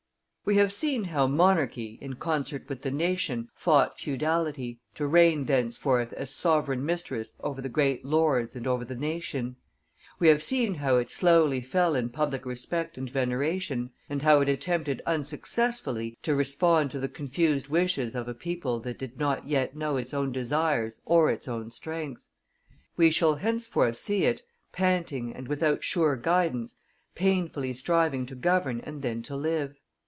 We have seen how monarchy, in concert with the nation, fought feudality, to reign thenceforth as sovereign mistress over the great lords and over the nation; we have seen how it slowly fell in public respect and veneration, and how it attempted unsuccessfully to respond to the confused wishes of a people that did not yet know its own desires or its own strength; we shall henceforth see it, panting and without sure guidance, painfully striving to govern and then to live.